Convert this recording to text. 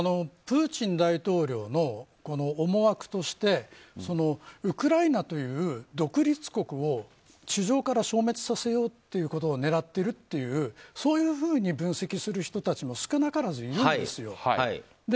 プーチン大統領の思惑としてウクライナという独立国を地上から消滅させようということを狙っているというふうに分析する人たちも少なからずいるんですよ。